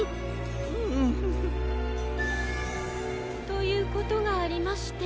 ということがありまして。